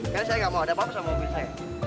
jadi saya gak mau ada apa apa sama mobil saya